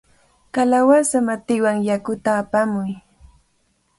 ¡Kalawasa matiwan yakuta apamuy!